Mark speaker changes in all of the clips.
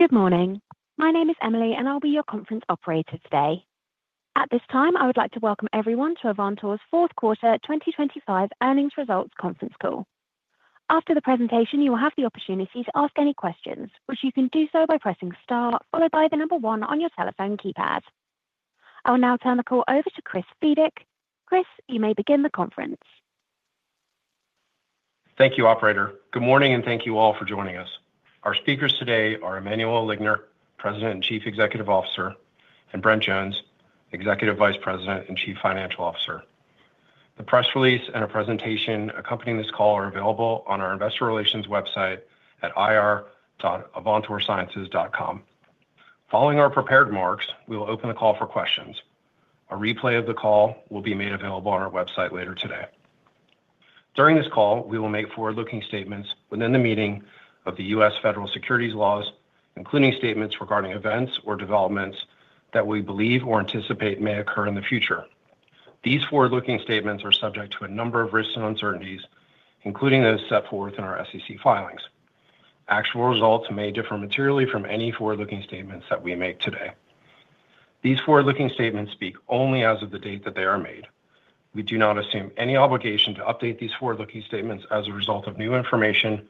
Speaker 1: Good morning. My name is Emily, and I'll be your conference operator today. At this time, I would like to welcome everyone to Avantor's fourth quarter 2025 earnings results conference call. After the presentation, you will have the opportunity to ask any questions, which you can do so by pressing star followed by the number one on your telephone keypad. I will now turn the call over to Chris Fidyk. Chris, you may begin the conference.
Speaker 2: Thank you, operator. Good morning, and thank you all for joining us. Our speakers today are Emmanuel Ligner, President and Chief Executive Officer, and Brent Jones, Executive Vice President and Chief Financial Officer. The press release and a presentation accompanying this call are available on our investor relations website at ir.avantorsciences.com. Following our prepared marks, we will open the call for questions. A replay of the call will be made available on our website later today. During this call, we will make forward-looking statements within the meaning of the U.S. federal securities laws, including statements regarding events or developments that we believe or anticipate may occur in the future. These forward-looking statements are subject to a number of risks and uncertainties, including those set forth in our SEC filings. Actual results may differ materially from any forward-looking statements that we make today. These forward-looking statements speak only as of the date that they are made. We do not assume any obligation to update these forward-looking statements as a result of new information,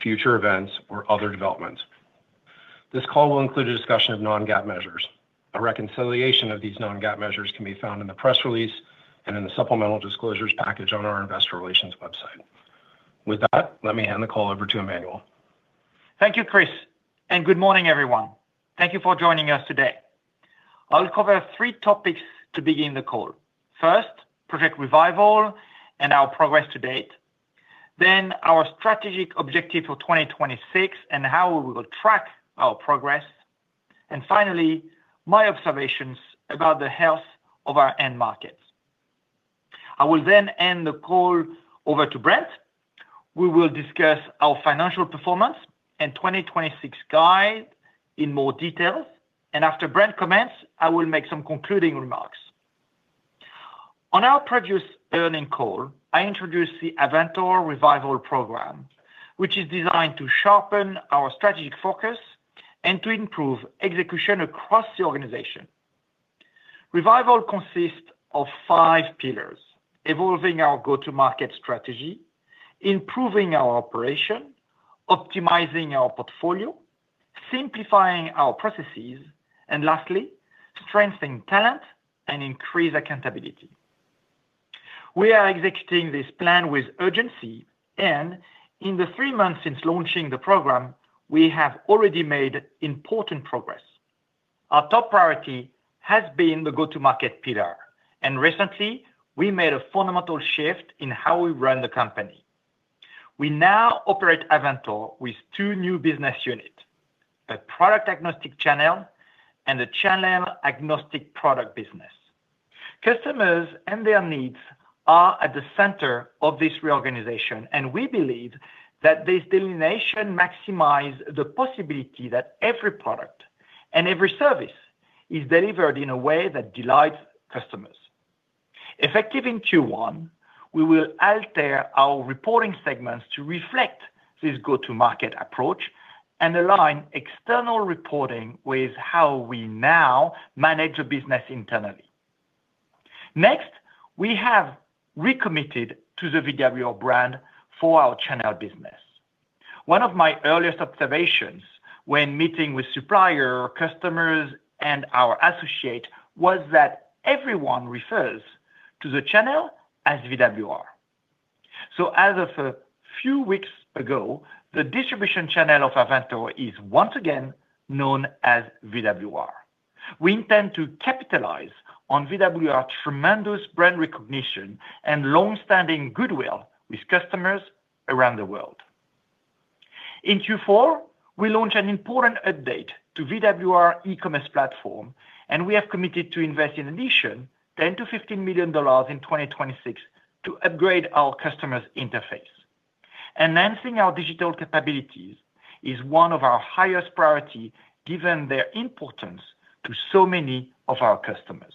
Speaker 2: future events, or other developments. This call will include a discussion of non-GAAP measures. A reconciliation of these non-GAAP measures can be found in the press release and in the supplemental disclosures package on our investor relations website. With that, let me hand the call over to Emmanuel.
Speaker 3: Thank you, Chris, and good morning, everyone. Thank you for joining us today. I'll cover three topics to begin the call. First, Project Revival and our progress to date. Then our strategic objective for 2026 and how we will track our progress. And finally, my observations about the health of our end markets. I will then hand the call over to Brent. We will discuss our financial performance and 2026 guide in more details. And after Brent comments, I will make some concluding remarks. On our previous earnings call, I introduced the Avantor Revival program, which is designed to sharpen our strategic focus and to improve execution across the organization. Revival consists of five pillars: evolving our go-to-market strategy, improving our operation, optimizing our portfolio, simplifying our processes, and lastly, strengthening talent and increased accountability. We are executing this plan with urgency, and in the three months since launching the program, we have already made important progress. Our top priority has been the go-to-market pillar, and recently, we made a fundamental shift in how we run the company. We now operate Avantor with two new business units: product-agnostic channel and channel-agnostic product business. Customers and their needs are at the center of this reorganization, and we believe that this delineation maximizes the possibility that every product and every service is delivered in a way that delights customers. Effective in Q1, we will alter our reporting segments to reflect this go-to-market approach and align external reporting with how we now manage the business internally. Next, we have recommitted to the VWR brand for our Channel business. One of my earliest observations when meeting with suppliers, customers, and our associates was that everyone refers to the channel as VWR. So as of a few weeks ago, the distribution channel of Avantor is once again known as VWR. We intend to capitalize on VWR's tremendous brand recognition and longstanding goodwill with customers around the world. In Q4, we launch an important update to VWR e-commerce platform, and we have committed to invest in addition $10 million-$15 million in 2026 to upgrade our customers' interface. Enhancing our digital capabilities is one of our highest priorities given their importance to so many of our customers.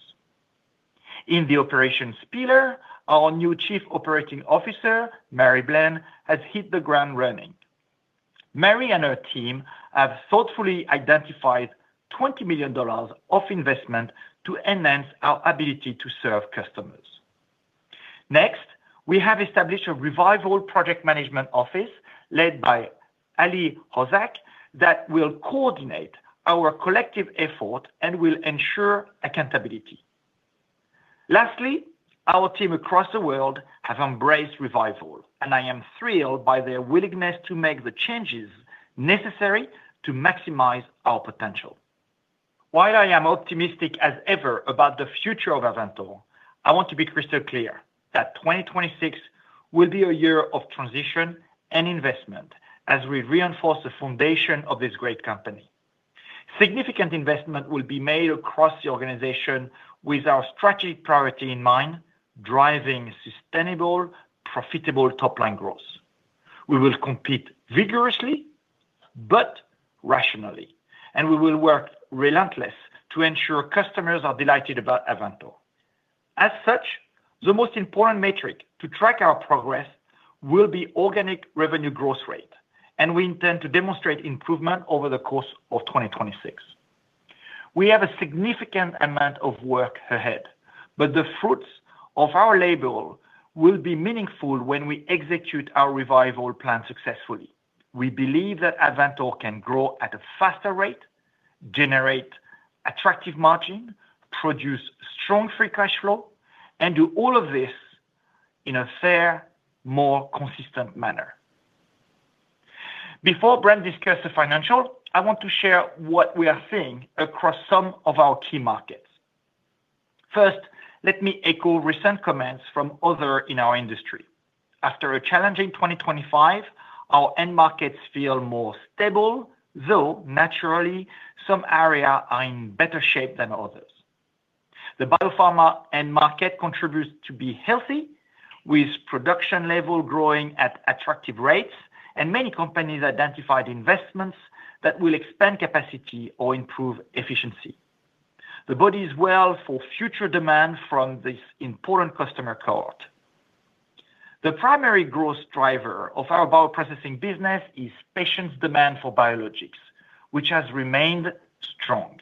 Speaker 3: In the operations pillar, our new Chief Operating Officer, Mary Blenn, has hit the ground running. Mary and her team have thoughtfully identified $20 million of investment to enhance our ability to serve customers. Next, we have established a Revival project management office led by Allison Hosak that will coordinate our collective effort and will ensure accountability. Lastly, our team across the world has embraced Revival, and I am thrilled by their willingness to make the changes necessary to maximize our potential. While I am optimistic as ever about the future of Avantor, I want to be crystal clear that 2026 will be a year of transition and investment as we reinforce the foundation of this great company. Significant investment will be made across the organization with our strategic priority in mind: driving sustainable, profitable top-line growth. We will compete vigorously but rationally, and we will work relentlessly to ensure customers are delighted about Avantor. As such, the most important metric to track our progress will be organic revenue growth rate, and we intend to demonstrate improvement over the course of 2026. We have a significant amount of work ahead, but the fruits of our labor will be meaningful when we execute our Revival plan successfully. We believe that Avantor can grow at a faster rate, generate attractive margin, produce strong free cash flow, and do all of this in a far, more consistent manner. Before Brent discusses financials, I want to share what we are seeing across some of our key markets. First, let me echo recent comments from others in our industry. After a challenging 2025, our end markets feel more stable, though naturally, some areas are in better shape than others. The biopharma end market continues to be healthy, with production levels growing at attractive rates and many companies identifying investments that will expand capacity or improve efficiency. The body is well for future demand from this important customer cohort. The primary growth driver of our bioprocessing business is patient demand for biologics, which has remained strong.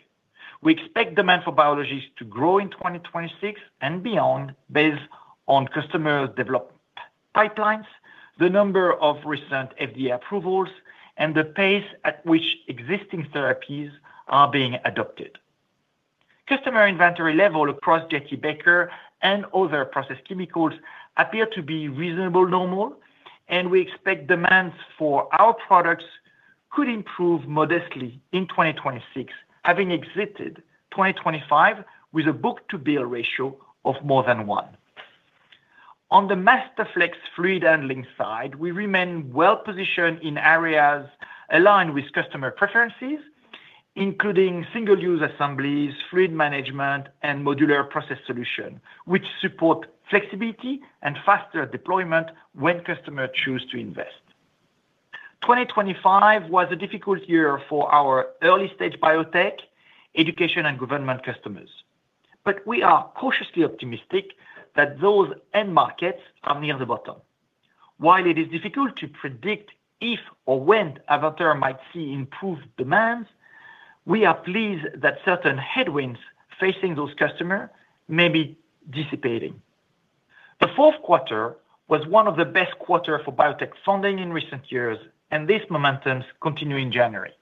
Speaker 3: We expect demand for biologics to grow in 2026 and beyond based on customer development pipelines, the number of recent FDA approvals, and the pace at which existing therapies are being adopted. Customer inventory levels across J.T.Baker and other Process Chemicals appear to be reasonable normal, and we expect demand for our products could improve modestly in 2026, having exited 2025 with a book-to-bill ratio of more than one. On the Masterflex fluid handling side, we remain well positioned in areas aligned with customer preferences, including single-use assemblies, fluid management, and modular process solutions, which support flexibility and faster deployment when customers choose to invest. 2025 was a difficult year for our early-stage biotech, education, and government customers, but we are cautiously optimistic that those end markets are near the bottom. While it is difficult to predict if or when Avantor might see improved demands, we are pleased that certain headwinds facing those customers may be dissipating. The fourth quarter was one of the best quarters for biotech funding in recent years, and this momentum continues in January.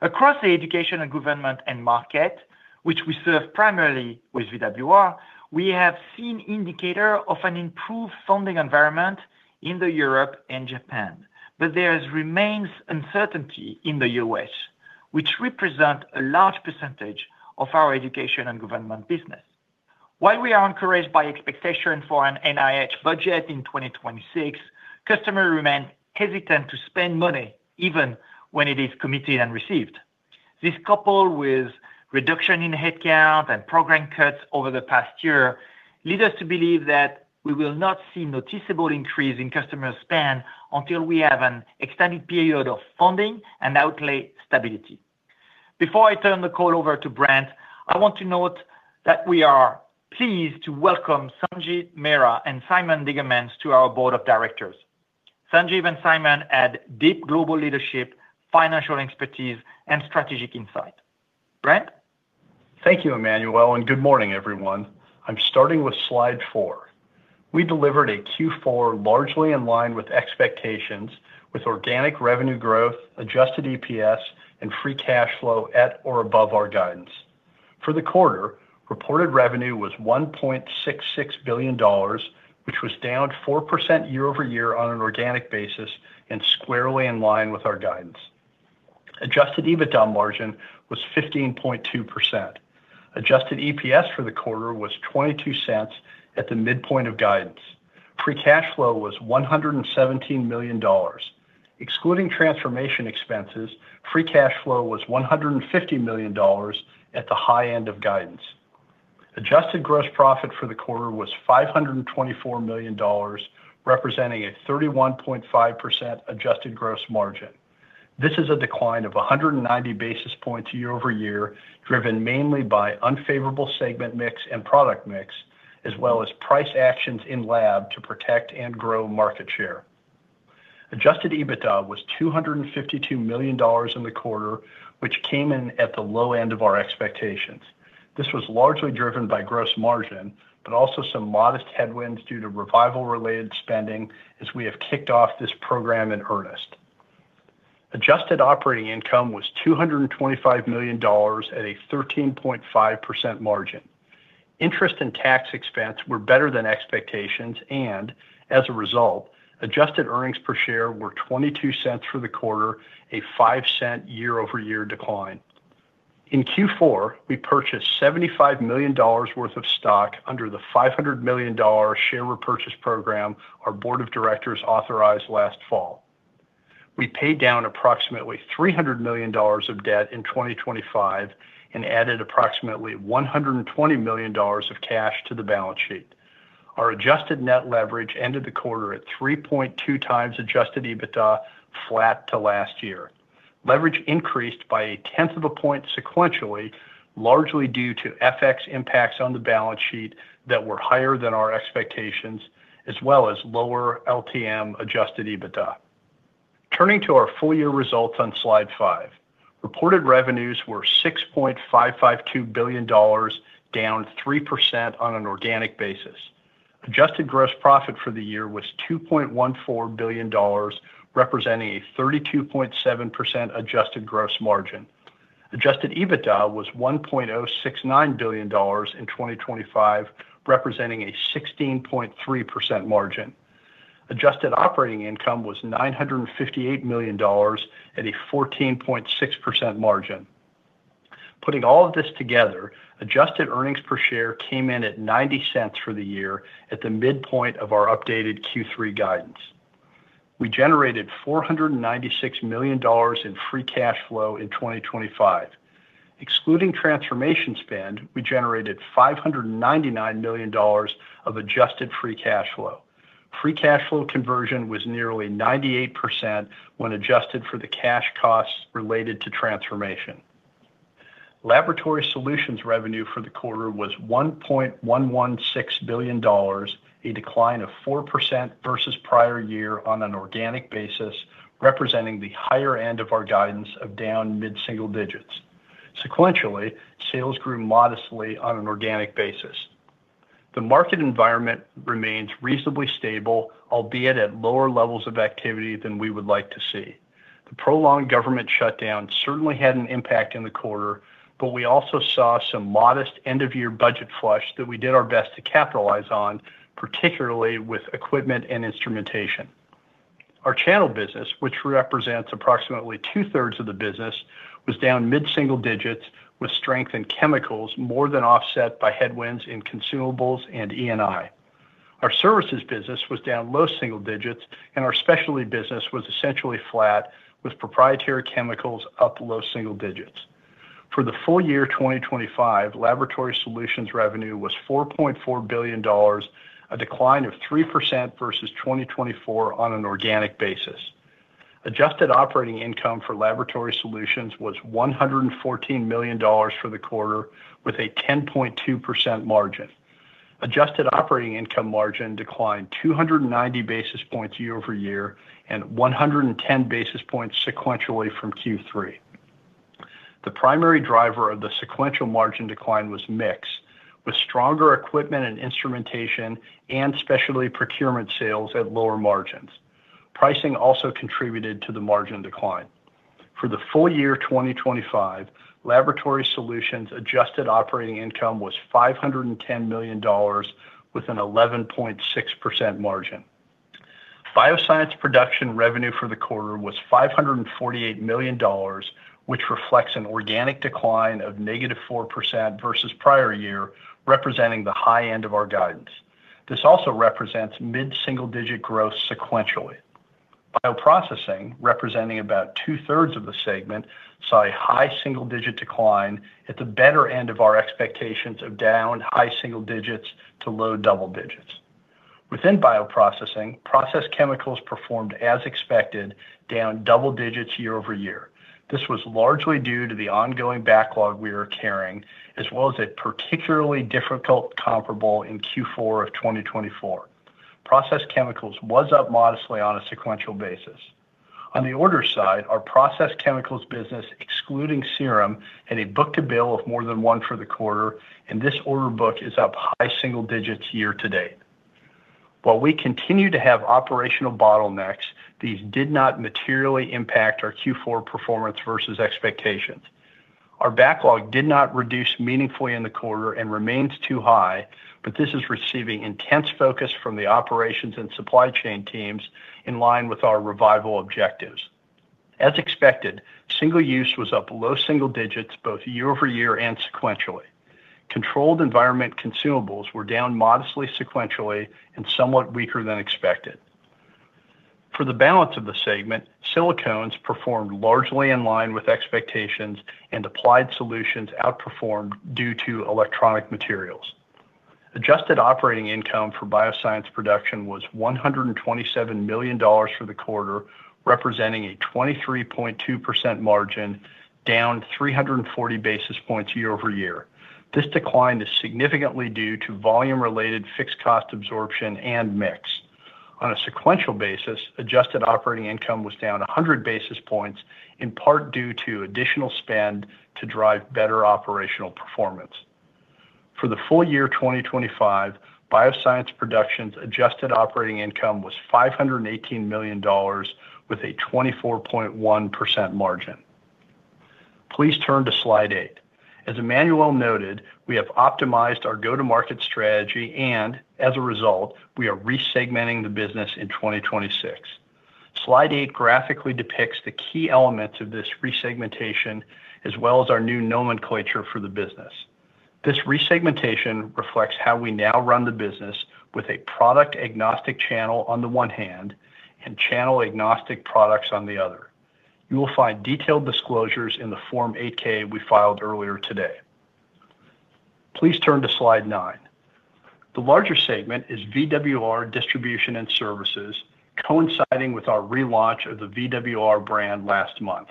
Speaker 3: Across the education, government, and market, which we serve primarily with VWR, we have seen indicators of an improved funding environment in Europe and Japan, but there remains uncertainty in the US, which represents a large percentage of our education and government business. While we are encouraged by expectations for an NIH budget in 2026, customers remain hesitant to spend money even when it is committed and received. This coupled with reductions in headcount and program cuts over the past year leads us to believe that we will not see a noticeable increase in customer spend until we have an extended period of funding and outlay stability. Before I turn the call over to Brent, I want to note that we are pleased to welcome Sanjeev Mehra and Simon Dingemans to our board of directors. Sanjeev and Simon add deep global leadership, financial expertise, and strategic insight. Brent?
Speaker 4: Thank you, Emmanuel, and good morning, everyone. I'm starting with slide four. We delivered a Q4 largely in line with expectations, with organic revenue growth, adjusted EPS, and free cash flow at or above our guidance. For the quarter, reported revenue was $1.66 billion, which was down 4% year-over-year on an organic basis and squarely in line with our guidance. Adjusted EBITDA margin was 15.2%. Adjusted EPS for the quarter was $0.22 at the midpoint of guidance. Free cash flow was $117 million. Excluding transformation expenses, free cash flow was $150 million at the high end of guidance. Adjusted gross profit for the quarter was $524 million, representing a 31.5% adjusted gross margin. This is a decline of 190 basis points year-over-year, driven mainly by unfavorable segment mix and product mix, as well as price actions in-lab to protect and grow market share. Adjusted EBITDA was $252 million in the quarter, which came in at the low end of our expectations. This was largely driven by gross margin, but also some modest headwinds due to Revival-related spending as we have kicked off this program in earnest. Adjusted Operating Income was $225 million at a 13.5% margin. Interest and tax expense were better than expectations, and as a result, adjusted earnings per share were $0.22 for the quarter, a $0.05 year-over-year decline. In Q4, we purchased $75 million worth of stock under the $500 million share repurchase program our board of directors authorized last fall. We paid down approximately $300 million of debt in 2025 and added approximately $120 million of cash to the balance sheet. Our adjusted net leverage ended the quarter at 3.2x adjusted EBITDA, flat to last year. Leverage increased by a tenth of a point sequentially, largely due to FX impacts on the balance sheet that were higher than our expectations, as well as lower LTM adjusted EBITDA. Turning to our full-year results on slide five. Reported revenues were $6.552 billion, down 3% on an organic basis. Adjusted gross profit for the year was $2.14 billion, representing a 32.7% adjusted gross margin. Adjusted EBITDA was $1.069 billion in 2025, representing a 16.3% margin. Adjusted Operating Income was $958 million at a 14.6% margin. Putting all of this together, adjusted earnings per share came in at $0.90 for the year, at the midpoint of our updated Q3 guidance. We generated $496 million in free cash flow in 2025. Excluding transformation spend, we generated $599 million of adjusted free cash flow. Free cash flow conversion was nearly 98% when adjusted for the cash costs related to transformation. Laboratory Solutions revenue for the quarter was $1.116 billion, a decline of 4% versus prior year on an organic basis, representing the higher end of our guidance of down mid-single digits. Sequentially, sales grew modestly on an organic basis. The market environment remains reasonably stable, albeit at lower levels of activity than we would like to see. The prolonged government shutdown certainly had an impact in the quarter, but we also saw some modest end-of-year budget flush that we did our best to capitalize on, particularly with equipment and instrumentation. Our Channel business, which represents approximately two-thirds of the business, was down mid-single digits with strength in chemicals more than offset by headwinds in consumables and E&I. Our Services business was down low-single digits, and our specialty business was essentially flat, with proprietary chemicals up low-single digits. For the full year 2025, Laboratory Solutions revenue was $4.4 billion, a decline of 3% versus 2024 on an organic basis. Adjusted Operating Income for Laboratory Solutions was $114 million for the quarter, with a 10.2% margin. Adjusted Operating Income margin declined 290 basis points year-over-year and 110 basis points sequentially from Q3. The primary driver of the sequential margin decline was mix, with stronger equipment and instrumentation and specialty procurement sales at lower margins. Pricing also contributed to the margin decline. For the full year 2025, Laboratory Solutions Adjusted Operating Income was $510 million, with an 11.6% margin. Bioscience Production revenue for the quarter was $548 million, which reflects an organic decline of -4% versus prior year, representing the high end of our guidance. This also represents mid-single digit growth sequentially. Bioprocessing, representing about 2/3s of the segment, saw a high single digit decline at the better end of our expectations of down high single digits to low double digits. Within bioprocessing, Process Chemicals performed as expected, down double digits year-over-year. This was largely due to the ongoing backlog we were carrying, as well as a particularly difficult comparable in Q4 of 2024. Process Chemicals was up modestly on a sequential basis. On the order side, our Process Chemicals business, excluding serum, had a book-to-bill of more than one for the quarter, and this order book is up high single digits year-to-date. While we continue to have operational bottlenecks, these did not materially impact our Q4 performance versus expectations. Our backlog did not reduce meaningfully in the quarter and remains too high, but this is receiving intense focus from the operations and supply chain teams in line with our Revival objectives. As expected, single-use was up low single digits both year-over-year and sequentially. Controlled Environment Consumables were down modestly sequentially and somewhat weaker than expected. For the balance of the segment, silicones performed largely in line with expectations, and applied solutions outperformed due to electronic materials. Adjusted Operating Income for Bioscience Production was $127 million for the quarter, representing a 23.2% margin, down 340 basis points year-over-year. This decline is significantly due to volume-related fixed cost absorption and mix. On a sequential basis, Adjusted Operating Income was down 100 basis points, in part due to additional spend to drive better operational performance. For the full year 2025, Bioscience Production's Adjusted Operating Income was $518 million, with a 24.1% margin. Please turn to slide eight. As Emmanuel noted, we have optimized our go-to-market strategy and, as a result, we are resegmenting the business in 2026. Slide eight graphically depicts the key elements of this resegmentation, as well as our new nomenclature for the business. This resegmentation reflects how we now run the business with a product-agnostic channel on the one hand channel-agnostic products on the other. You will find detailed disclosures in the Form 8-K we filed earlier today. Please turn to slide nine. The larger segment is VWR Distribution and Services, coinciding with our relaunch of the VWR brand last month.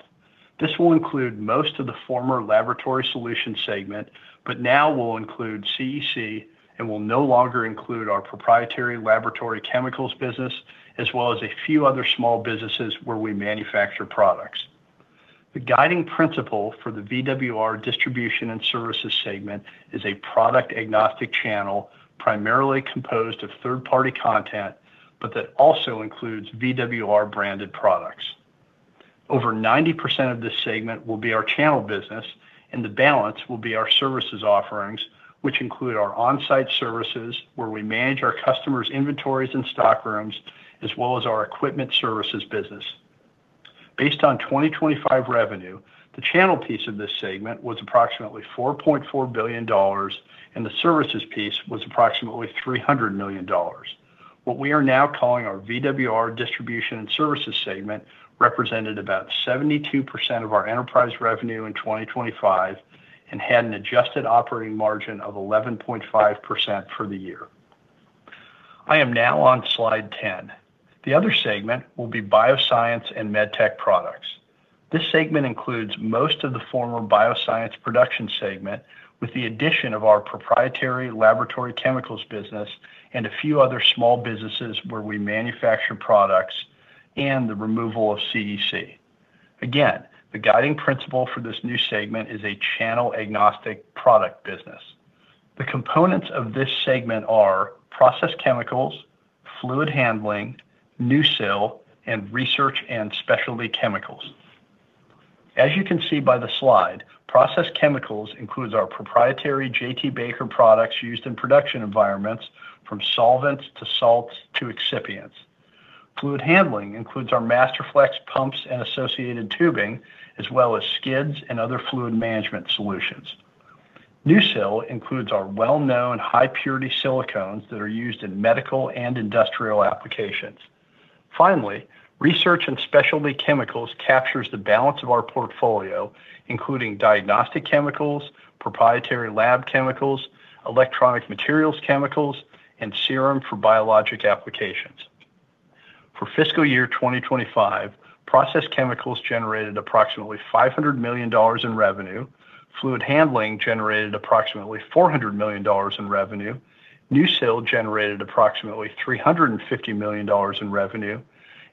Speaker 4: This will include most of the former Laboratory Solutions segment, but now will include CEC and will no longer include our proprietary laboratory chemicals business, as well as a few other small businesses where we manufacture products. The guiding principle for the VWR Distribution and Services segment is product-agnostic channel, primarily composed of third-party content, but that also includes VWR-branded products. Over 90% of this segment will be our Channel business, and the balance will be our Services offerings, which include our On-site services where we manage our customers' inventories and stockrooms, as well as our Equipment services business. Based on 2025 revenue, the channel piece of this segment was approximately $4.4 billion, and the services piece was approximately $300 million. What we are now calling our VWR Distribution and Services segment represented about 72% of our enterprise revenue in 2025 and had an adjusted operating margin of 11.5% for the year. I am now on slide 10. The other segment Bioscience and Medtech Products. this segment includes most of the former Bioscience Production segment, with the addition of our proprietary laboratory chemicals business and a few other small businesses where we manufacture products and the removal of CEC. Again, the guiding principle for this new segment is a channel-agnostic product business. The components of this segment are Process Chemicals, fluid handling, NuSil, and research and specialty chemicals. As you can see by the slide, Process Chemicals includes our proprietary J.T.Baker products used in production environments, from solvents to salts to excipients. Fluid handling includes our Masterflex pumps and associated tubing, as well as skids and other fluid management solutions. NuSil includes our well-known high-purity silicones that are used in medical and industrial applications. Finally, research and specialty chemicals captures the balance of our portfolio, including diagnostic chemicals, proprietary lab chemicals, electronic materials chemicals, and serum for biologic applications. For fiscal year 2025, Process Chemicals generated approximately $500 million in revenue. Fluid handling generated approximately $400 million in revenue. NuSil generated approximately $350 million in revenue,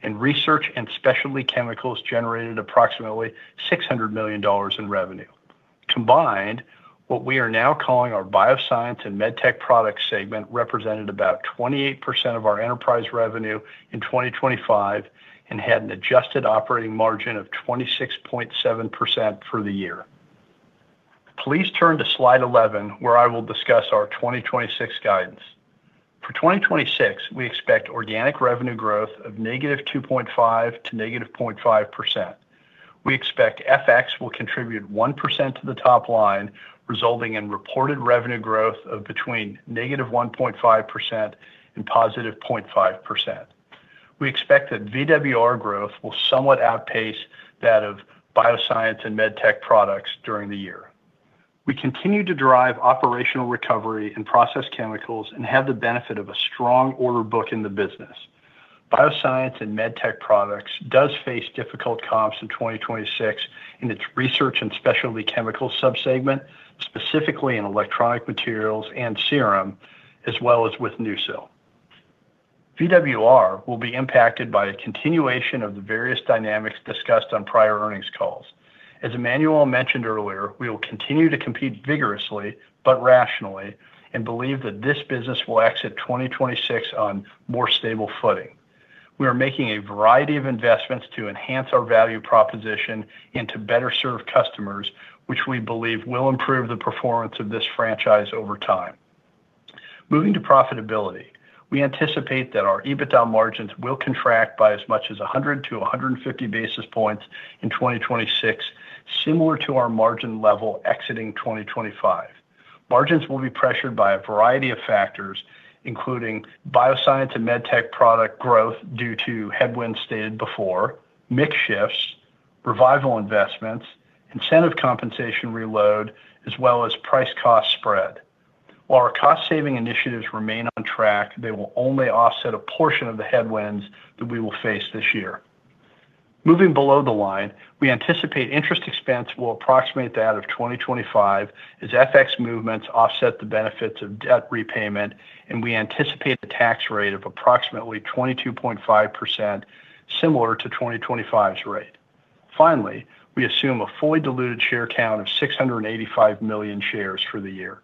Speaker 4: and research and specialty chemicals generated approximately $600 million in revenue. Combined, what we are now Bioscience and Medtech Products segment represented about 28% of our enterprise revenue in 2025 and had an adjusted operating margin of 26.7% for the year. Please turn to slide 11, where I will discuss our 2026 guidance. For 2026, we expect organic revenue growth of -2.5% to -0.5%. We expect FX will contribute 1% to the top line, resulting in reported revenue growth of between -1.5% and +0.5%. We expect that VWR growth will somewhat outpace Bioscience and Medtech Products during the year. We continue to drive operational recovery in Process Chemicals and have the benefit of a strong order book in Bioscience and Medtech Products do face difficult comps in 2026 in its research and specialty chemicals subsegment, specifically in electronic materials and serum, as well as with NuSil. VWR will be impacted by a continuation of the various dynamics discussed on prior earnings calls. As Emmanuel mentioned earlier, we will continue to compete vigorously but rationally and believe that this business will exit 2026 on more stable footing. We are making a variety of investments to enhance our value proposition and to better serve customers, which we believe will improve the performance of this franchise over time. Moving to profitability, we anticipate that our EBITDA margins will contract by as much as 100-150 basis points in 2026, similar to our margin level exiting 2025. Margins will be pressured by a variety of factors, including Bioscience and Medtech Products growth due to headwinds stated before, mix shifts, Revival investments, incentive compensation reload, as well as price-cost spread. While our cost-saving initiatives remain on track, they will only offset a portion of the headwinds that we will face this year. Moving below the line, we anticipate interest expense will approximate that of 2025 as FX movements offset the benefits of debt repayment, and we anticipate a tax rate of approximately 22.5%, similar to 2025's rate. Finally, we assume a fully diluted share count of 685 million shares for the year.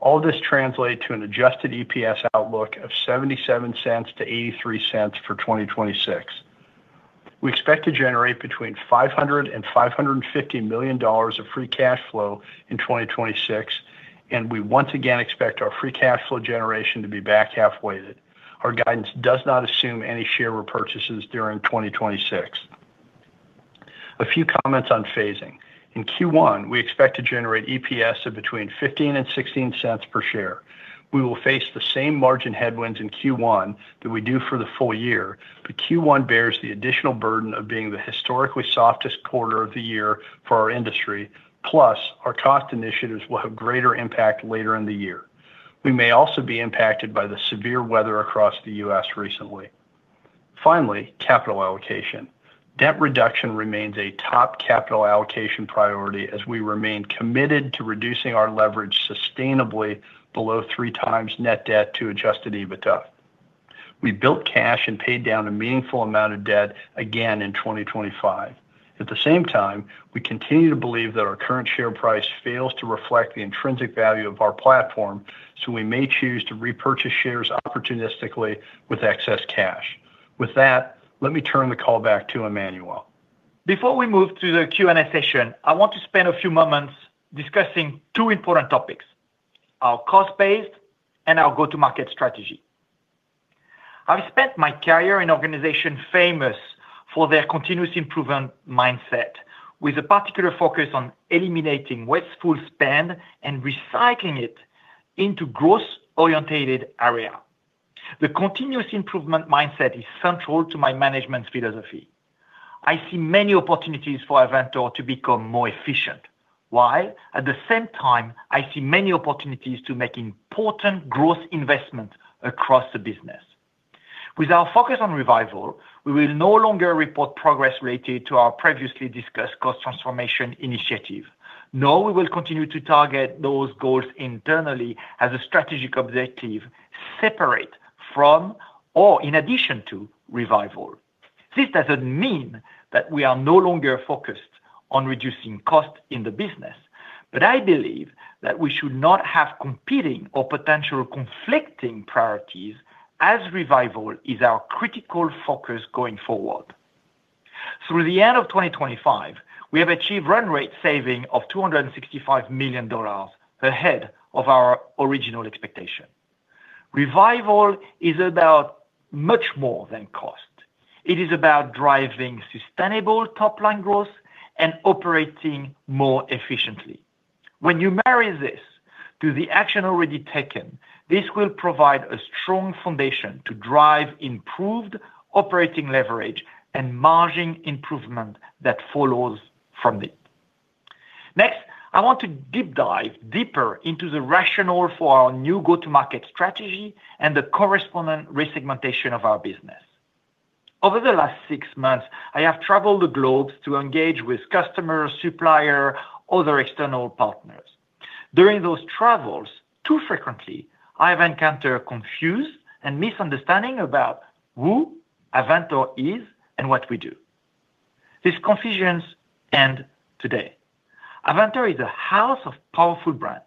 Speaker 4: All of this translates to an adjusted EPS outlook of $0.77-$0.83 for 2026. We expect to generate between $500 million and $550 million of free cash flow in 2026, and we once again expect our free cash flow generation to be back half-weighted. Our guidance does not assume any share repurchases during 2026. A few comments on phasing. In Q1, we expect to generate EPS of between $0.15 and $0.16 per share. We will face the same margin headwinds in Q1 that we do for the full year, but Q1 bears the additional burden of being the historically softest quarter of the year for our industry, plus our cost initiatives will have greater impact later in the year. We may also be impacted by the severe weather across the U.S. recently. Finally, capital allocation. Debt reduction remains a top capital allocation priority as we remain committed to reducing our leverage sustainably below 3x net debt to Adjusted EBITDA. We built cash and paid down a meaningful amount of debt again in 2025. At the same time, we continue to believe that our current share price fails to reflect the intrinsic value of our platform, so we may choose to repurchase shares opportunistically with excess cash. With that, let me turn the call back to Emmanuel.
Speaker 3: Before we move to the Q&A session, I want to spend a few moments discussing two important topics: our cost-based and our go-to-market strategy. I've spent my career in an organization famous for their continuous improvement mindset, with a particular focus on eliminating wasteful spend and recycling it into growth-oriented areas. The continuous improvement mindset is central to my management philosophy. I see many opportunities for Avantor to become more efficient, while at the same time, I see many opportunities to make important growth investments across the business. With our focus on Revival, we will no longer report progress related to our previously discussed cost transformation initiative. No, we will continue to target those goals internally as a strategic objective separate from or in addition to Revival. This doesn't mean that we are no longer focused on reducing costs in the business, but I believe that we should not have competing or potentially conflicting priorities as Revival is our critical focus going forward. Through the end of 2025, we have achieved run rate saving of $265 million ahead of our original expectation. Revival is about much more than cost. It is about driving sustainable top-line growth and operating more efficiently. When you marry this to the action already taken, this will provide a strong foundation to drive improved operating leverage and margin improvement that follows from it. Next, I want to deep dive deeper into the rationale for our new go-to-market strategy and the corresponding resegmentation of our business. Over the last six months, I have traveled the globe to engage with customers, suppliers, and other external partners. During those travels, too frequently, I have encountered confused and misunderstanding about who Avantor is and what we do. These confusions end today. Avantor is a house of powerful brands,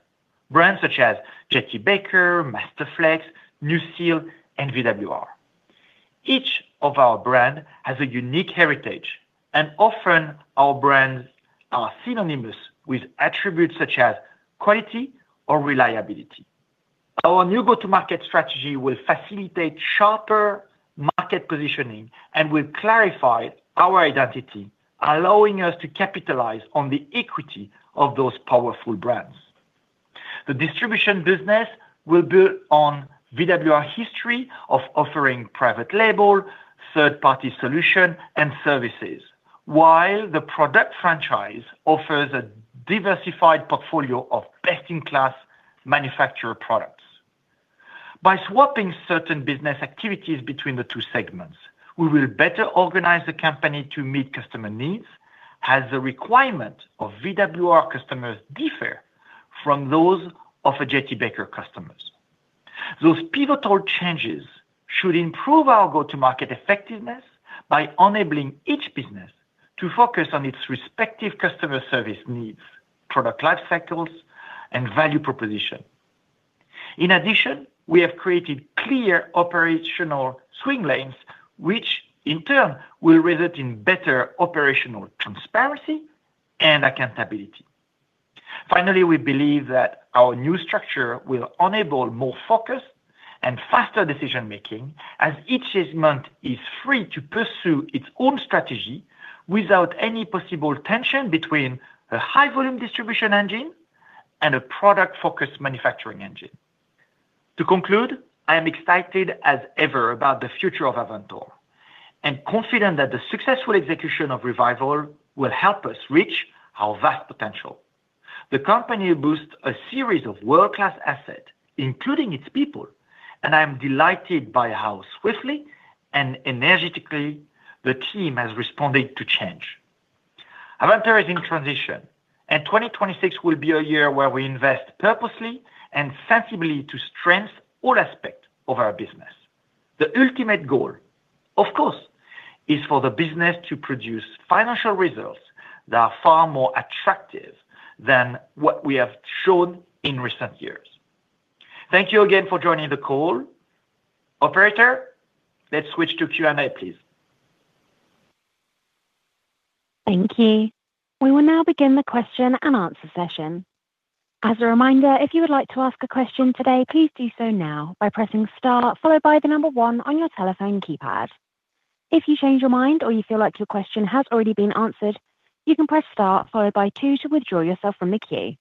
Speaker 3: brands such as J.T.Baker, Masterflex, NuSil, and VWR. Each of our brands has a unique heritage, and often our brands are synonymous with attributes such as quality or reliability. Our new go-to-market strategy will facilitate sharper market positioning and will clarify our identity, allowing us to capitalize on the equity of those powerful brands. The distribution business will build on VWR's history of offering private label, third-party solutions, and services, while the product franchise offers a diversified portfolio of best-in-class manufacturer products. By swapping certain business activities between the two segments, we will better organize the company to meet customer needs as the requirements of VWR customers differ from those of J.T.Baker customers. Those pivotal changes should improve our go-to-market effectiveness by enabling each business to focus on its respective customer service needs, product life cycles, and value proposition. In addition, we have created clear operational swim lanes, which in turn will result in better operational transparency and accountability. Finally, we believe that our new structure will enable more focus and faster decision-making as each segment is free to pursue its own strategy without any possible tension between a high-volume distribution engine and a product-focused manufacturing engine. To conclude, I am excited as ever about the future of Avantor and confident that the successful execution of Revival will help us reach our vast potential. The company boasts a series of world-class assets, including its people, and I am delighted by how swiftly and energetically the team has responded to change. Avantor is in transition, and 2026 will be a year where we invest purposely and sensibly to strengthen all aspects of our business. The ultimate goal, of course, is for the business to produce financial results that are far more attractive than what we have shown in recent years. Thank you again for joining the call. Operator, let's switch to Q&A, please.
Speaker 1: Thank you. We will now begin the question and answer session. As a reminder, if you would like to ask a question today, please do so now by pressing star, followed by the number one on your telephone keypad. If you change your mind or you feel like your question has already been answered, you can press star, followed by two to withdraw yourself from the queue.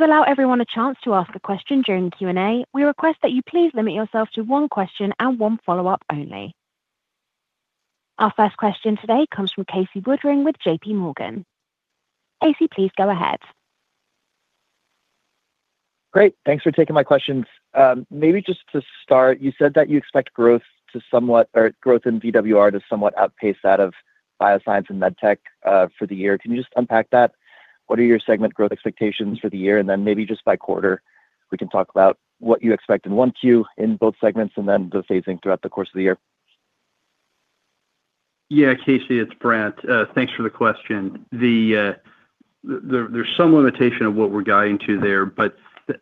Speaker 1: To allow everyone a chance to ask a question during Q&A, we request that you please limit yourself to one question and one follow-up only. Our first question today comes from Casey Woodring with JPMorgan. Casey, please go ahead.
Speaker 5: Great. Thanks for taking my questions. Maybe just to start, you said that you expect growth in VWR to somewhat outpace that of Bioscience and Medtech for the year. Can you just unpack that? What are your segment growth expectations for the year? And then maybe just by quarter, we can talk about what you expect in 1Q in both segments and then the phasing throughout the course of the year.
Speaker 4: Yeah, Casey, it's Brent. Thanks for the question. There's some limitation of what we're guiding to there, but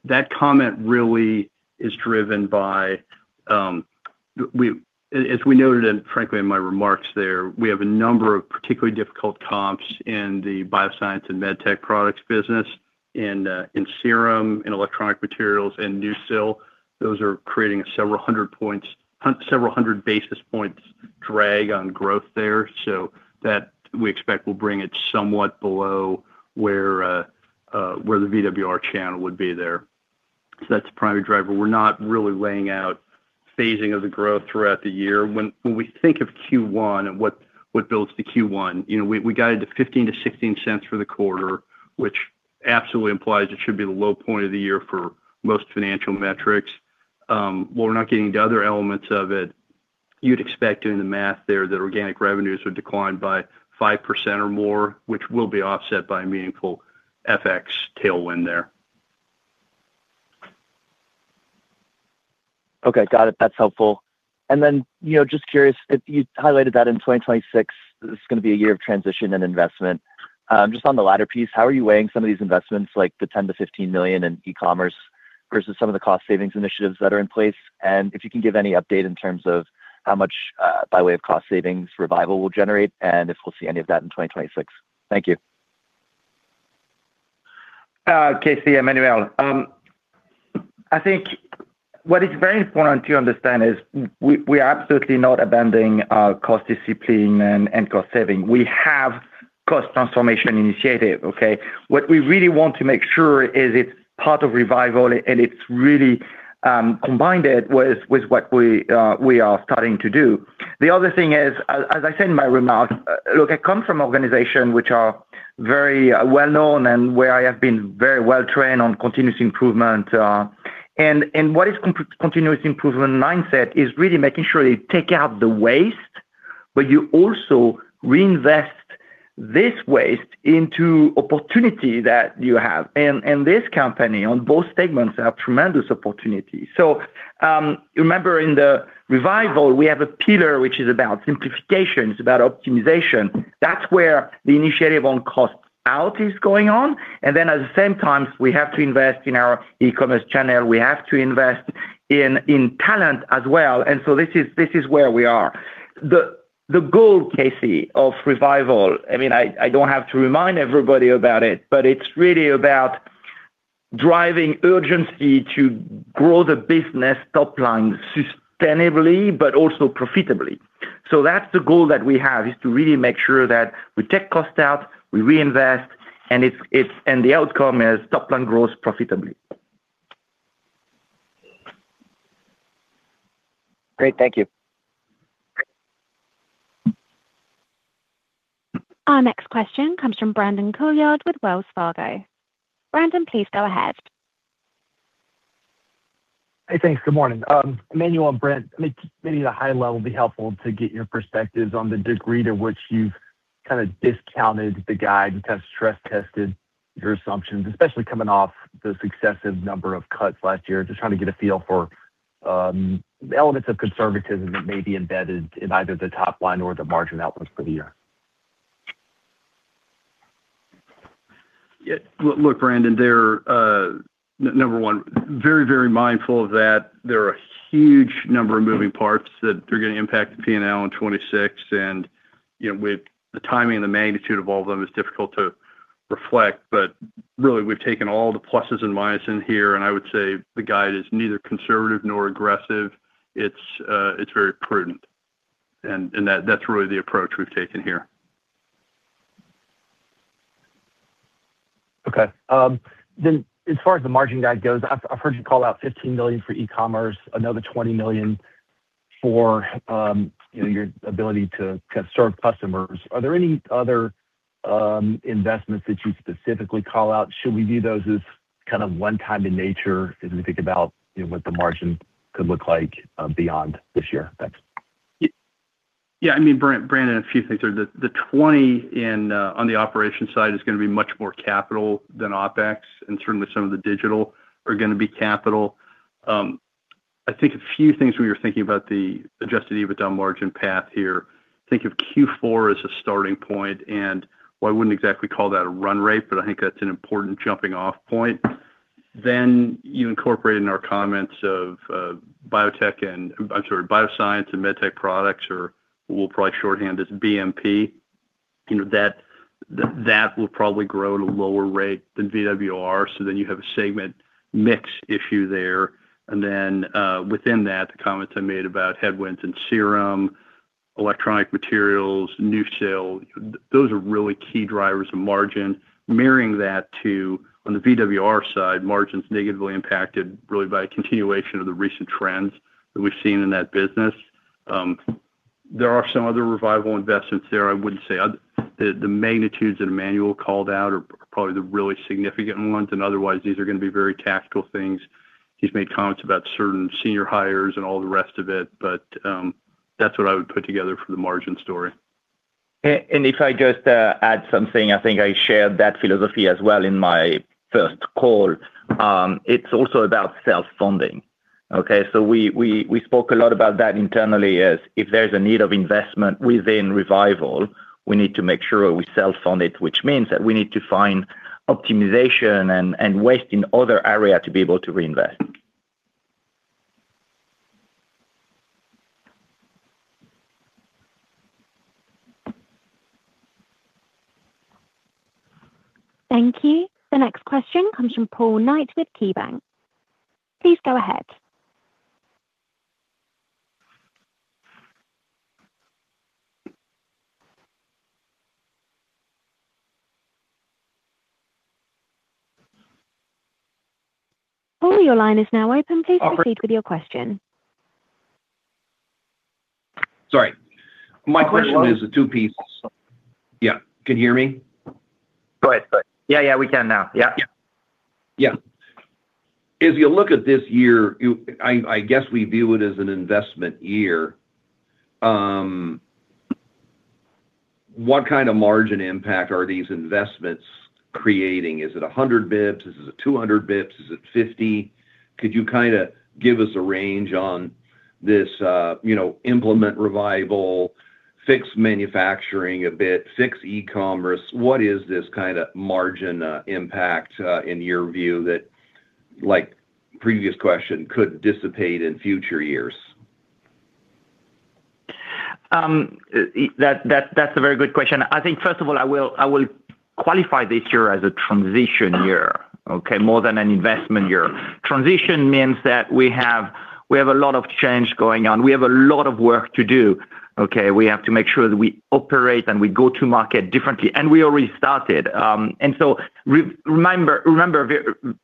Speaker 4: that comment really is driven by, as we noted, and frankly, in my remarks there, we have a number of particularly difficult comps Bioscience and Medtech Products business, in serum, in electronic materials, and NuSil. Those are creating a several hundred basis points drag on growth there, so that we expect will bring it somewhat below where the VWR channel would be there. So that's the primary driver. We're not really laying out phasing of the growth throughout the year. When we think of Q1 and what builds to Q1, we guided to $0.15-$0.16 for the quarter, which absolutely implies it should be the low point of the year for most financial metrics. While we're not getting to other elements of it, you'd expect doing the math there that organic revenues would decline by 5% or more, which will be offset by a meaningful FX tailwind there.
Speaker 5: Okay, got it. That's helpful. And then just curious, you highlighted that in 2026 is going to be a year of transition and investment. Just on the latter piece, how are you weighing some of these investments, like the $10 million-$15 million in e-commerce versus some of the cost-savings initiatives that are in place? And if you can give any update in terms of how much by way of cost savings Revival will generate and if we'll see any of that in 2026. Thank you.
Speaker 3: Casey, Emmanuel. I think what is very important to understand is we are absolutely not abandoning cost discipline and cost saving. We have cost transformation initiative, okay? What we really want to make sure is it's part of Revival and it's really combined with what we are starting to do. The other thing is, as I said in my remarks, look, I come from an organization which is very well-known and where I have been very well-trained on continuous improvement. And what is continuous improvement mindset is really making sure you take out the waste, but you also reinvest this waste into opportunity that you have. And this company, on both segments, has tremendous opportunities. So remember, in the Revival, we have a pillar which is about simplification. It's about optimization. That's where the initiative on cost out is going on. And then at the same time, we have to invest in our e-commerce channel. We have to invest in talent as well. And so this is where we are. The goal, Casey, of Revival, I mean, I don't have to remind everybody about it, but it's really about driving urgency to grow the business top-line sustainably, but also profitably. So that's the goal that we have, is to really make sure that we take cost out, we reinvest, and the outcome is top-line growth profitably.
Speaker 5: Great. Thank you.
Speaker 1: Our next question comes from Brandon Couillard with Wells Fargo. Brandon, please go ahead.
Speaker 6: Hey, thanks. Good morning. Emmanuel and Brent, maybe at a high level would be helpful to get your perspectives on the degree to which you've kind of discounted the guide, kind of stress-tested your assumptions, especially coming off the successive number of cuts last year, just trying to get a feel for elements of conservatism that may be embedded in either the top-line or the margin output for the year?
Speaker 4: Yeah. Look, Brandon, number one, very, very mindful of that. There are a huge number of moving parts that are going to impact P&L in 2026, and with the timing and the magnitude of all of them, it's difficult to reflect. But really, we've taken all the pluses and minuses in here, and I would say the guide is neither conservative nor aggressive. It's very prudent, and that's really the approach we've taken here.
Speaker 6: Okay. Then as far as the margin guide goes, I've heard you call out $15 million for e-commerce, another $20 million for your ability to kind of serve customers. Are there any other investments that you specifically call out? Should we view those as kind of one-time in nature as we think about what the margin could look like beyond this year? Thanks.
Speaker 4: Yeah. I mean, Brandon, a few things there. The $20 on the operation side is going to be much more capital than OpEx, and certainly some of the digital are going to be capital. I think a few things we were thinking about the adjusted EBITDA margin path here. Think of Q4 as a starting point, and why wouldn't exactly call that a run rate, but I think that's an important jumping-off point. Then you incorporate in our comments Bioscience and Medtech Products, or we'll probably shorthand as BMP. That will probably grow at a lower rate than VWR, so then you have a segment mix issue there. And then within that, the comments I made about headwinds in serum, electronic materials, NuSil, those are really key drivers of margin. Marrying that to, on the VWR side, margins negatively impacted really by a continuation of the recent trends that we've seen in that business. There are some other Revival investments there. I wouldn't say the magnitudes that Emmanuel called out are probably the really significant ones, and otherwise, these are going to be very tactical things. He's made comments about certain senior hires and all the rest of it, but that's what I would put together for the margin story.
Speaker 3: If I just add something, I think I shared that philosophy as well in my first call. It's also about self-funding, okay? So we spoke a lot about that internally as if there's a need of investment within Revival, we need to make sure we self-fund it, which means that we need to find optimization and waste in other areas to be able to reinvest.
Speaker 1: Thank you. The next question comes from Paul Knight with KeyBanc. Please go ahead. Paul, your line is now open. Please proceed with your question.
Speaker 7: Sorry. My question is a two-piece. Yeah. Can you hear me?
Speaker 3: Go ahead. Go ahead. Yeah, yeah, we can now. Yeah.
Speaker 7: Yeah. As you look at this year, I guess we view it as an investment year. What kind of margin impact are these investments creating? Is it 100 basis points? Is it 200 basis points? Is it 50? Could you kind of give us a range on this implement Revival, fix manufacturing a bit, fix e-commerce? What is this kind of margin impact, in your view, that, like previous question, could dissipate in future years?
Speaker 3: That's a very good question. I think, first of all, I will qualify this year as a transition year, okay, more than an investment year. Transition means that we have a lot of change going on. We have a lot of work to do, okay? We have to make sure that we operate and we go to market differently, and we already started. And so remember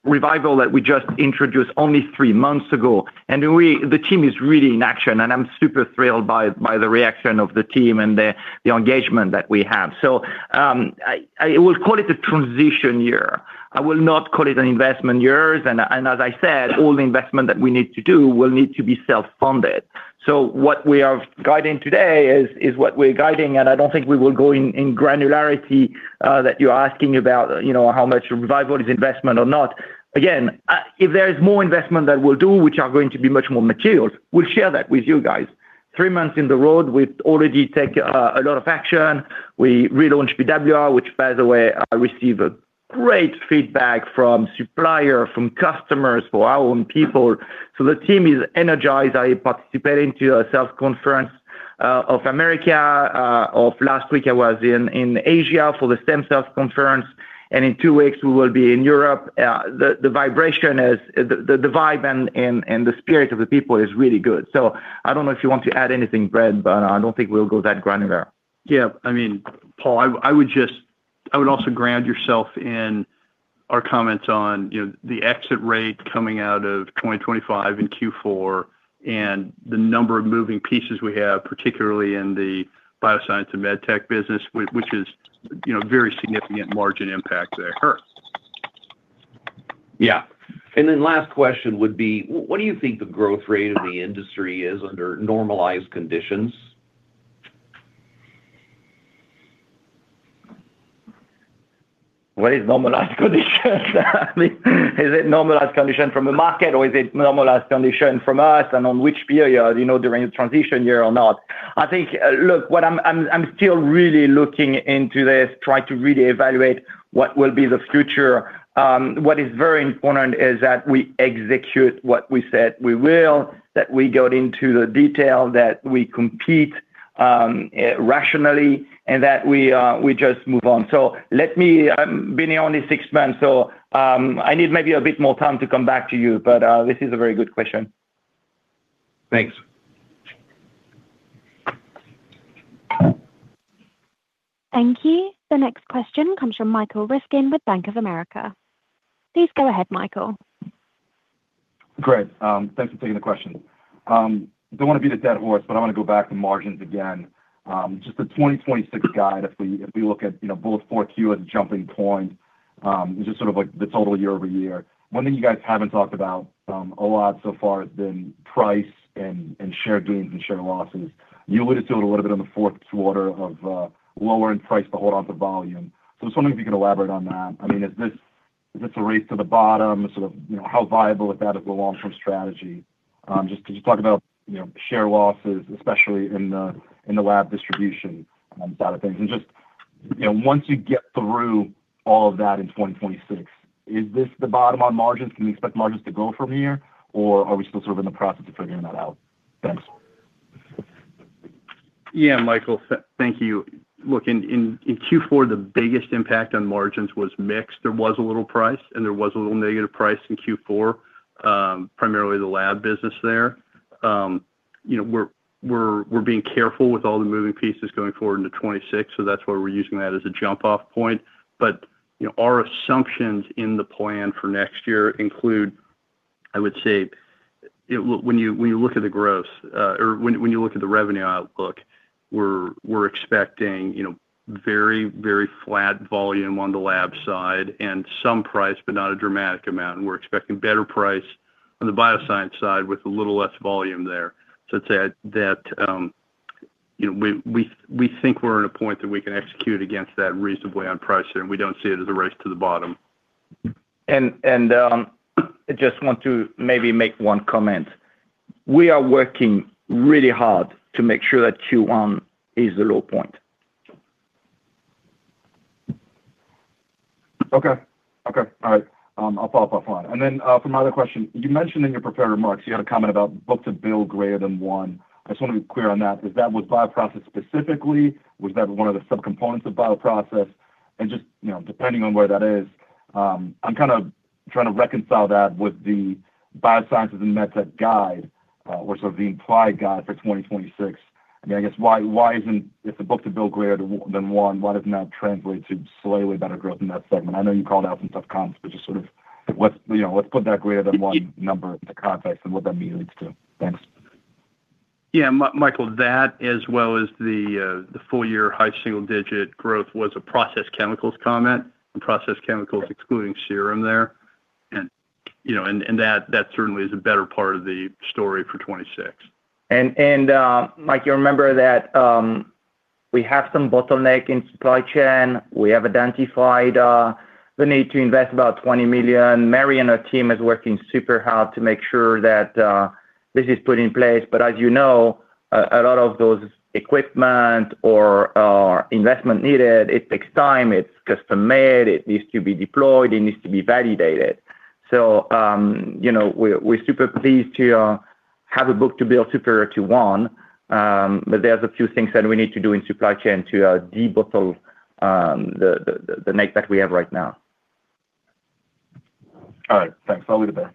Speaker 3: Revival that we just introduced only three months ago, and the team is really in action, and I'm super thrilled by the reaction of the team and the engagement that we have. So I will call it a transition year. I will not call it an investment year. And as I said, all the investment that we need to do will need to be self-funded. So what we are guiding today is what we're guiding, and I don't think we will go in granularity that you're asking about how much Revival is investment or not. Again, if there is more investment that we'll do, which are going to be much more material, we'll share that with you guys. Three months in the role, we've already taken a lot of action. We relaunched VWR, which, by the way, received great feedback from suppliers, from customers, from our own people. So the team is energized. I participated in a cell conference in America. Last week, I was in Asia for the stem cell conference, and in two weeks, we will be in Europe. The vibe is the vibe and the spirit of the people is really good. So I don't know if you want to add anything, Brent, but I don't think we'll go that granular.
Speaker 4: Yeah. I mean, Paul, I would also ground yourself in our comments on the exit rate coming out of 2025 in Q4 and the number of moving pieces we have, particularly in the Bioscience and Medtech business, which is a very significant margin impact there.
Speaker 7: Yeah. And then last question would be, what do you think the growth rate of the industry is under normalized conditions?
Speaker 3: What is normalized conditions? I mean, is it normalized conditions from the market, or is it normalized conditions from us, and on which period, during the transition year or not? I think, look, I'm still really looking into this, trying to really evaluate what will be the future. What is very important is that we execute what we said we will, that we go into the detail, that we compete rationally, and that we just move on. So I've been here only six months, so I need maybe a bit more time to come back to you, but this is a very good question.
Speaker 7: Thanks.
Speaker 1: Thank you. The next question comes from Michael Ryskin with Bank of America. Please go ahead, Michael.
Speaker 8: Great. Thanks for taking the question. I don't want to beat a dead horse, but I want to go back to margins again. Just the 2026 guide, if we look at both Q4 as a jumping-off point, just sort of like the total year-over-year, one thing you guys haven't talked about a lot so far has been price and share gains and share losses. You alluded to it a little bit on the fourth quarter of lowering price to hold onto volume. So I was wondering if you could elaborate on that. I mean, is this a race to the bottom? Sort of how viable is that as a long-term strategy? Just to talk about share losses, especially in the lab distribution side of things. And just once you get through all of that in 2026, is this the bottom on margins? Can we expect margins to go from here, or are we still sort of in the process of figuring that out? Thanks.
Speaker 4: Yeah, Michael, thank you. Look, in Q4, the biggest impact on margins was mix. There was a little price, and there was a little negative price in Q4, primarily the lab business there. We're being careful with all the moving pieces going forward into 2026, so that's why we're using that as a jump-off point. But our assumptions in the plan for next year include, I would say, when you look at the growth or when you look at the revenue outlook, we're expecting very, very flat volume on the lab side and some price, but not a dramatic amount. And we're expecting better price on the bioscience side with a little less volume there. So I'd say that we think we're at a point that we can execute against that reasonably on price there, and we don't see it as a race to the bottom.
Speaker 3: I just want to maybe make one comment. We are working really hard to make sure that Q1 is the low point.
Speaker 8: Okay. Okay. All right. I'll follow up offline. And then from my other question, you mentioned in your prepared remarks, you had a comment about book-to-bill greater than one. I just want to be clear on that. Is that with Bioprocessing specifically? Was that one of the subcomponents of Bioprocessing? And just depending on where that is, I'm kind of trying to reconcile that with the Biosciences and Medtech guide or sort of the implied guide for 2026. I mean, I guess why isn't if the book-to-bill greater than one, why doesn't that translate to slightly better growth in that segment? I know you called out some tough comments, but just sort of let's put that greater than one number into context and what that means too. Thanks.
Speaker 4: Yeah. Michael, that as well as the full-year high single-digit growth was a Process Chemicals comment and Process Chemicals excluding serum there. That certainly is a better part of the story for 2026.
Speaker 3: Mike, you remember that we have some bottleneck in supply chain. We have identified the need to invest about $20 million. Mary and her team are working super hard to make sure that this is put in place. But as you know, a lot of those equipment or investment needed, it takes time. It's custom-made. It needs to be deployed. It needs to be validated. So we're super pleased to have a book-to-bill superior to one, but there are a few things that we need to do in supply chain to debottleneck that we have right now.
Speaker 8: All right. Thanks. I'll leave it there.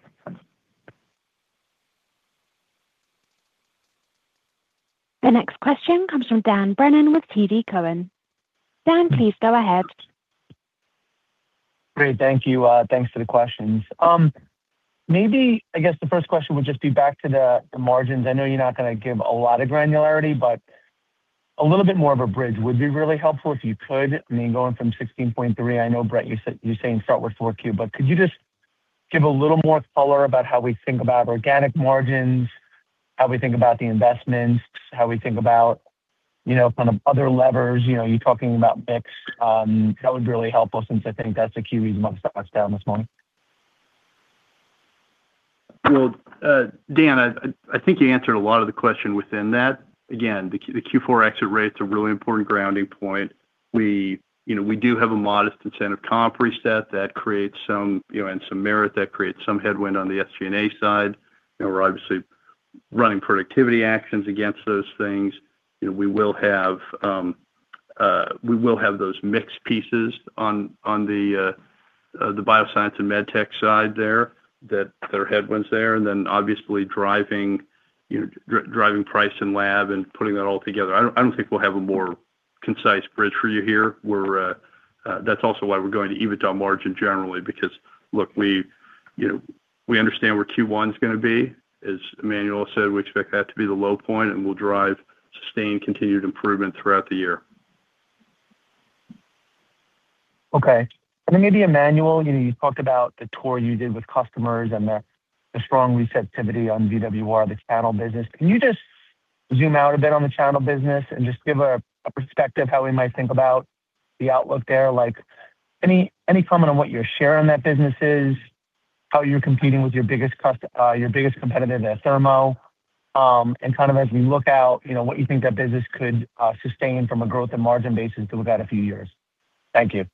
Speaker 1: The next question comes from Dan Brennan with TD Cowen. Dan, please go ahead.
Speaker 9: Great. Thank you. Thanks for the questions. Maybe, I guess, the first question would just be back to the margins. I know you're not going to give a lot of granularity, but a little bit more of a bridge would be really helpful if you could. I mean, going from 16.3%, I know, Brent, you're saying start with 4Q, but could you just give a little more color about how we think about organic margins, how we think about the investments, how we think about kind of other levers? You're talking about mix. That would be really helpful since I think that's a key reason why we stopped down this morning.
Speaker 4: Well, Dan, I think you answered a lot of the question within that. Again, the Q4 exit rates are a really important grounding point. We do have a modest incentive comp re set that creates some and some merit that creates some headwind on the SG&A side. We're obviously running productivity actions against those things. We will have those mixed pieces on the Bioscience and Medtech side there, their headwinds there, and then obviously driving price in lab and putting that all together. I don't think we'll have a more concise bridge for you here. That's also why we're going to EBITDA margin generally, because, look, we understand where Q1 is going to be. As Emmanuel said, we expect that to be the low point, and we'll drive sustained continued improvement throughout the year.
Speaker 9: Okay. And then maybe, Emmanuel, you talked about the tour you did with customers and the strong receptivity on VWR, the Channel business. Can you just zoom out a bit on the Channel business and just give a perspective how we might think about the outlook there? Any comment on what your share in that business is, how you're competing with your biggest competitor, Thermo? And kind of as we look out, what you think that business could sustain from a growth and margin basis to look at a few years. Thank you.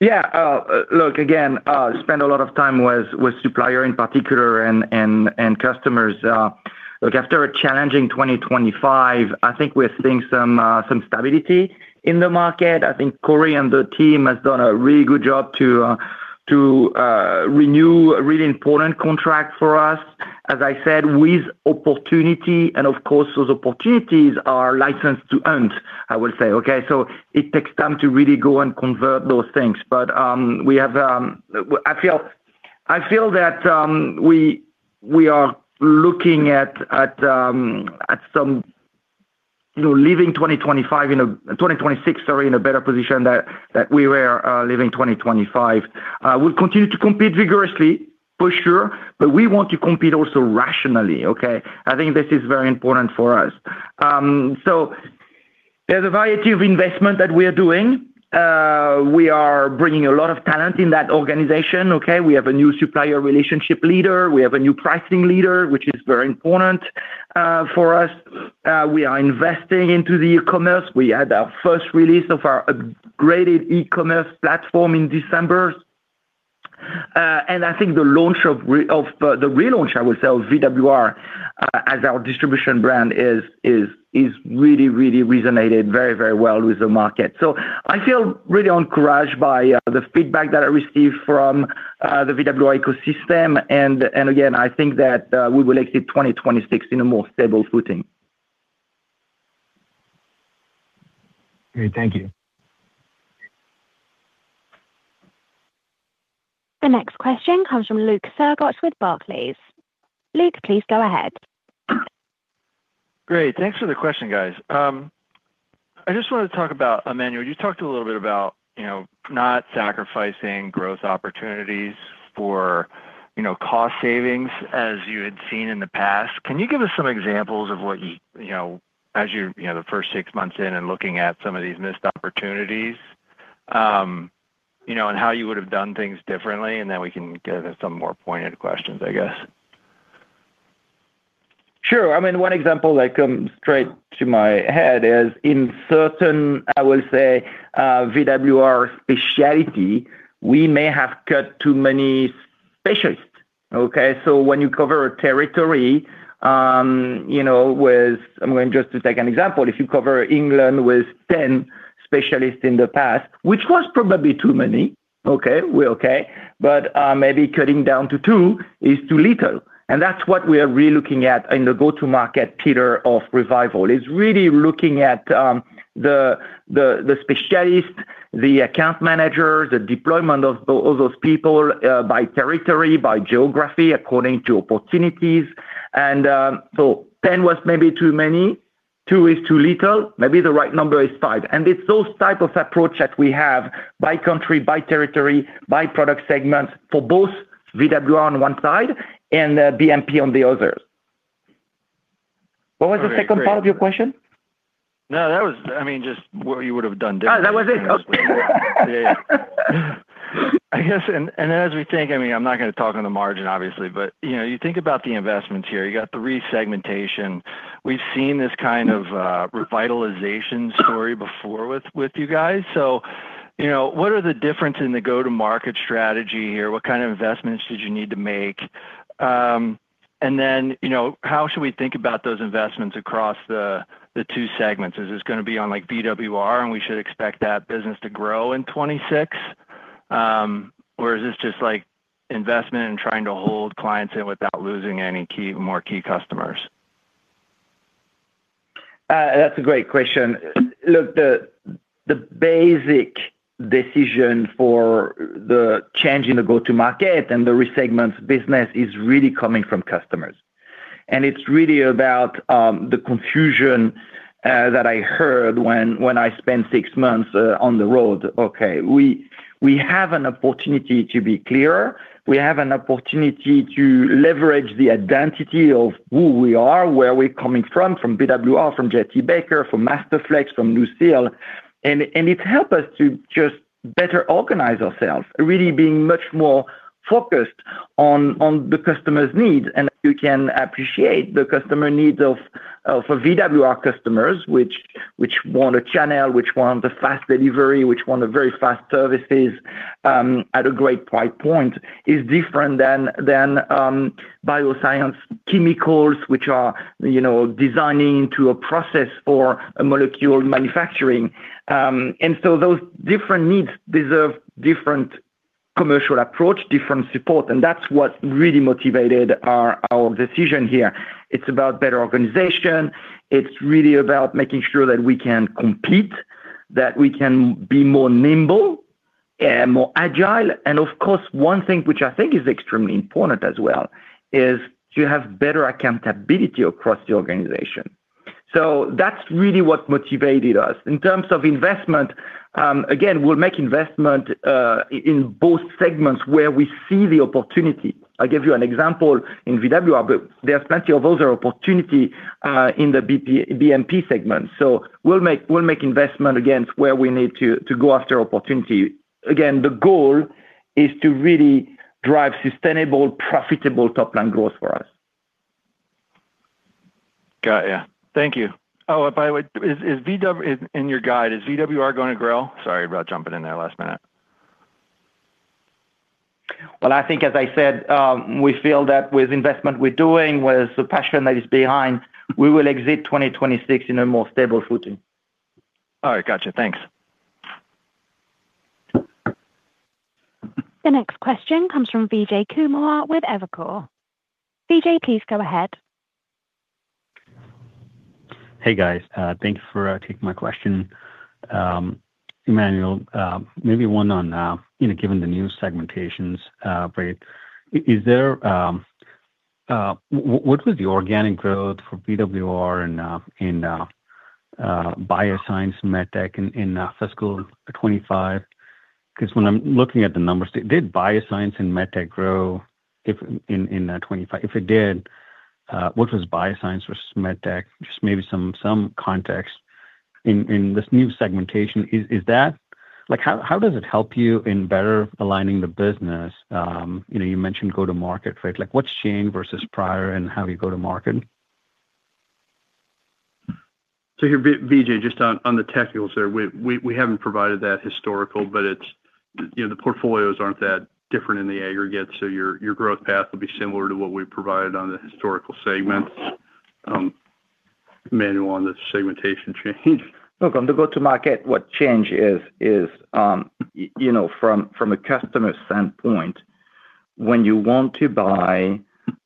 Speaker 3: Yeah. Look, again, we spend a lot of time with suppliers in particular and customers. Look, after a challenging 2025, I think we're seeing some stability in the market. I think Corey and the team have done a really good job to renew a really important contract for us. As I said, with opportunity, and of course, those opportunities are license to earn, I will say, okay? So it takes time to really go and convert those things. But I feel that we are looking at some leaving 2025 entering 2026, sorry, in a better position than we were leaving 2025. We'll continue to compete vigorously, for sure, but we want to compete also rationally, okay? I think this is very important for us. So there's a variety of investment that we are doing. We are bringing a lot of talent in that organization, okay? We have a new supplier relationship leader. We have a new pricing leader, which is very important for us. We are investing into the e-commerce. We had our first release of our upgraded e-commerce platform in December. I think the launch of the relaunch, I will say, of VWR as our distribution brand has really, really resonated very, very well with the market. So I feel really encouraged by the feedback that I received from the VWR ecosystem. Again, I think that we will exit 2026 in a more stable footing.
Speaker 9: Great. Thank you.
Speaker 1: The next question comes from Luke Sergott with Barclays. Luke, please go ahead.
Speaker 10: Great. Thanks for the question, guys. I just wanted to talk about Emmanuel. You talked a little bit about not sacrificing growth opportunities for cost savings as you had seen in the past. Can you give us some examples of what you, as you're the first six months in and looking at some of these missed opportunities and how you would have done things differently? And then we can get into some more pointed questions, I guess.
Speaker 3: Sure. I mean, one example that comes straight to my head is in certain, I will say, VWR specialty, we may have cut too many specialists, okay? So when you cover a territory with, I'm going just to take an example. If you cover England with 10 specialists in the past, which was probably too many, okay? But maybe cutting down to two is too little. And that's what we are really looking at in the go-to-market pillar of Revival. It's really looking at the specialist, the account manager, the deployment of all those people by territory, by geography, according to opportunities. And so 10 was maybe too many. Two is too little. Maybe the right number is five. And it's those type of approach that we have by country, by territory, by product segment for both VWR on one side and BMP on the others. What was the second part of your question?
Speaker 10: No, that was, I mean, just what you would have done differently.
Speaker 3: Oh, that was it?
Speaker 10: Yeah, yeah. And then as we think, I mean, I'm not going to talk on the margin, obviously, but you think about the investments here. You got the resegmentation. We've seen this kind of revitalization story before with you guys. So what are the differences in the go-to-market strategy here? What kind of investments did you need to make? And then how should we think about those investments across the two segments? Is this going to be on VWR, and we should expect that business to grow in 2026, or is this just investment and trying to hold clients in without losing any more key customers?
Speaker 3: That's a great question. Look, the basic decision for the change in the go-to-market and the resegment business is really coming from customers. And it's really about the confusion that I heard when I spent six months on the road. Okay, we have an opportunity to be clearer. We have an opportunity to leverage the identity of who we are, where we're coming from, from VWR, from J.T.Baker, from Masterflex, from NuSil. And it helped us to just better organize ourselves, really being much more focused on the customer's needs. And you can appreciate the customer needs of VWR customers, which want a channel, which want a fast delivery, which want very fast services at a great price point, is different than bioscience chemicals, which are designing into a process for molecule manufacturing. And so those different needs deserve different commercial approach, different support. That's what really motivated our decision here. It's about better organization. It's really about making sure that we can compete, that we can be more nimble, more agile. And of course, one thing which I think is extremely important as well is to have better accountability across the organization. So that's really what motivated us. In terms of investment, again, we'll make investment in both segments where we see the opportunity. I gave you an example in VWR, but there's plenty of other opportunity in the BMP segment. So we'll make investment, again, where we need to go after opportunity. Again, the goal is to really drive sustainable, profitable top-line growth for us.
Speaker 10: Got you. Thank you. Oh, by the way, in your guide, is VWR going to grow? Sorry about jumping in there last minute.
Speaker 3: Well, I think, as I said, we feel that with investment we're doing, with the passion that is behind, we will exit 2026 in a more stable footing.
Speaker 10: All right. Gotcha. Thanks.
Speaker 1: The next question comes from Vijay Kumar with Evercore ISI. Vijay, please go ahead.
Speaker 11: Hey, guys. Thank you for taking my question. Emmanuel, maybe one on given the new segmentations, right? What was the organic growth for VWR and Bioscience and Medtech in fiscal 2025? Because when I'm looking at the numbers, did Bioscience and Medtech grow in 2025? If it did, what was Bioscience versus Medtech? Just maybe some context in this new segmentation. How does it help you in better aligning the business? You mentioned go-to-market, right? What's changed versus prior, and how do you go to market?
Speaker 4: So here, Vijay, just on the technicals there, we haven't provided that historical, but the portfolios aren't that different in the aggregate. So your growth path will be similar to what we provided on the historical segments. Emmanuel, on the segmentation change.
Speaker 3: Look, on the go-to-market, what changed is from a customer standpoint, when you want to buy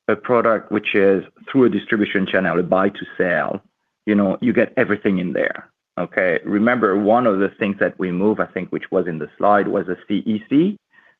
Speaker 3: a product which is through a distribution channel, a buy-to-sell, you get everything in there, okay? Remember, one of the things that we move, I think, which was in the slide, was the CEC.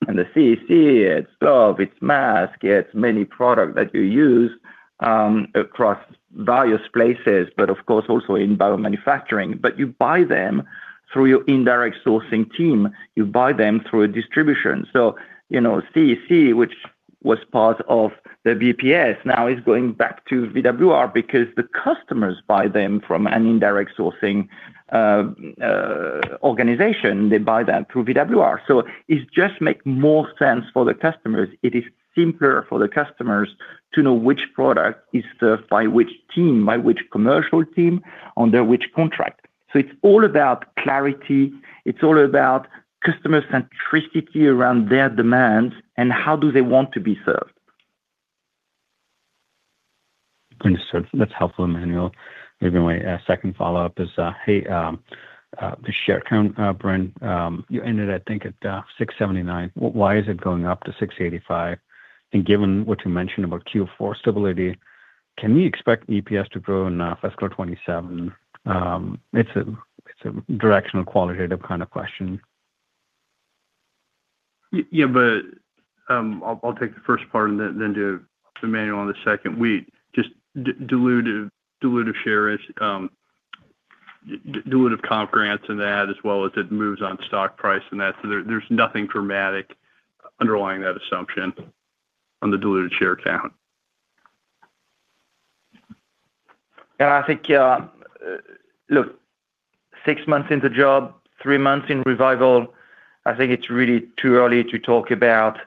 Speaker 3: The CEC, it's stuff. It's mask. It's many products that you use across various places, but of course, also in biomanufacturing. But you buy them through your indirect sourcing team. You buy them through a distribution. So CEC, which was part of the BPS, now is going back to VWR because the customers buy them from an indirect sourcing organization. They buy that through VWR. So it just makes more sense for the customers. It is simpler for the customers to know which product is served by which team, by which commercial team, under which contract. It's all about clarity. It's all about customer centricity around their demands and how do they want to be served?
Speaker 11: That's helpful, Emmanuel. Maybe my second follow-up is, hey, the share count, Brent, you ended, I think, at 679. Why is it going up to 685? And given what you mentioned about Q4 stability, can we expect EPS to grow in fiscal 2027? It's a directional, qualitative kind of question.
Speaker 4: Yeah, but I'll take the first part and then do Emmanuel on the second. Just diluted shares, diluted comp grants and that, as well as it moves on stock price and that. So there's nothing dramatic underlying that assumption on the diluted share count.
Speaker 3: Yeah, I think, look, six months in the job, three months in Revival, I think it's really too early to talk about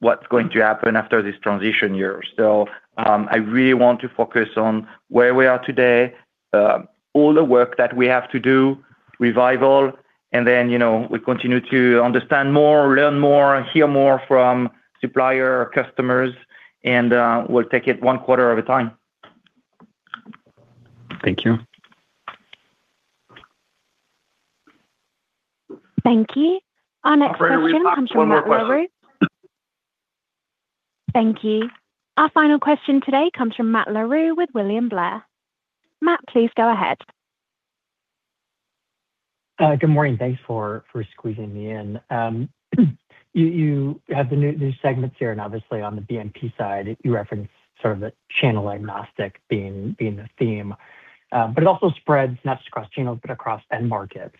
Speaker 3: what's going to happen after this transition year. So I really want to focus on where we are today, all the work that we have to do, Revival, and then we continue to understand more, learn more, hear more from supplier customers. We'll take it one quarter at a time.
Speaker 11: Thank you.
Speaker 1: Thank you. Our next question comes from Matt Larew. Thank you. Our final question today comes from Matt Larew with William Blair. Matt, please go ahead.
Speaker 12: Good morning. Thanks for squeezing me in. You have the new segments here. Obviously, on the BMP side, you referenced sort of channel-agnostic being the theme. But it also spreads not just across channels, but across end markets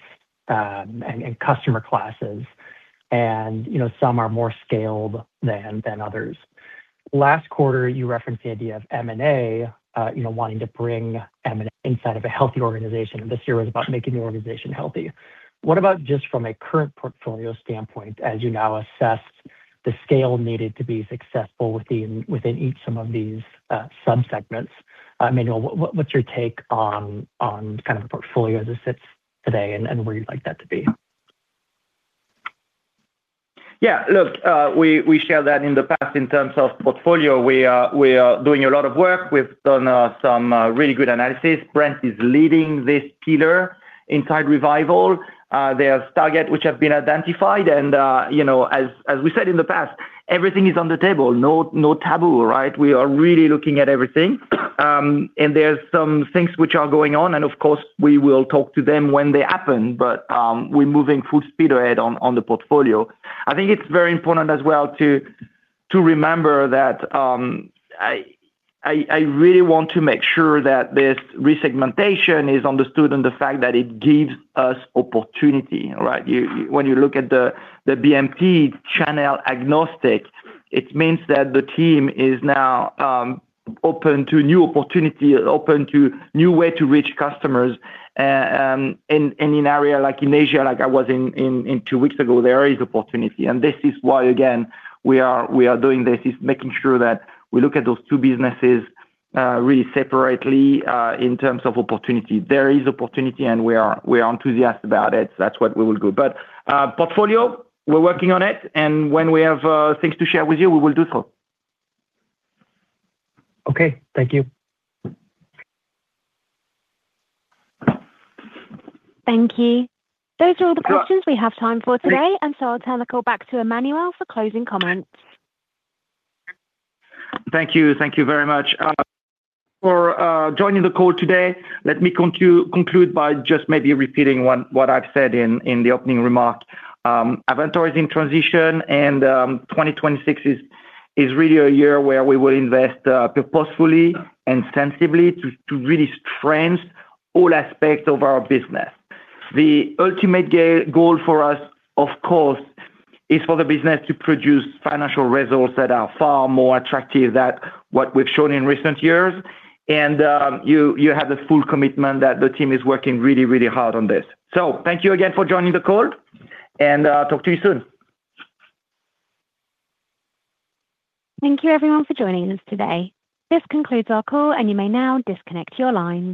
Speaker 12: and customer classes. Some are more scaled than others. Last quarter, you referenced the idea of M&A, wanting to bring M&A inside of a healthy organization. This year was about making the organization healthy. What about just from a current portfolio standpoint as you now assess the scale needed to be successful within each some of these subsegments? Emmanuel, what's your take on kind of the portfolio as it sits today and where you'd like that to be?
Speaker 3: Yeah, look, we shared that in the past in terms of portfolio. We are doing a lot of work. We've done some really good analysis. Brent is leading this pillar inside Revival. There are targets which have been identified. And as we said in the past, everything is on the table. No taboo, right? We are really looking at everything. And there are some things which are going on. And of course, we will talk to them when they happen. But we're moving full speed ahead on the portfolio. I think it's very important as well to remember that I really want to make sure that this resegmentation is understood and the fact that it gives us opportunity, right? When you look at the channel-agnostic, it means that the team is now open to new opportunity, open to new ways to reach customers. In an area like in Asia, like I was in two weeks ago, there is opportunity. This is why, again, we are doing this. It's making sure that we look at those two businesses really separately in terms of opportunity. There is opportunity, and we are enthusiastic about it. That's what we will do. But portfolio, we're working on it. When we have things to share with you, we will do so.
Speaker 12: Okay. Thank you.
Speaker 1: Thank you. Those are all the questions we have time for today. And so I'll turn the call back to Emmanuel for closing comments.
Speaker 3: Thank you. Thank you very much for joining the call today. Let me conclude by just maybe repeating what I've said in the opening remark. Avantor is in transition, and 2026 is really a year where we will invest purposefully and sensibly to really strengthen all aspects of our business. The ultimate goal for us, of course, is for the business to produce financial results that are far more attractive than what we've shown in recent years. You have the full commitment that the team is working really, really hard on this. So thank you again for joining the call, and I'll talk to you soon.
Speaker 1: Thank you, everyone, for joining us today. This concludes our call, and you may now disconnect your lines.